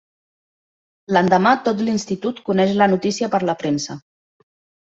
L'endemà tot l'institut coneix la notícia per la premsa.